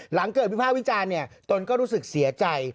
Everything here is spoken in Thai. หลังเกิดวิภาควิจารณ์ตนก็รู้สึกเสียใจ